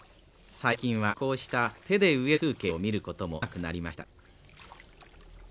最近はこうした手で植える風景を見ることも少なくなりました。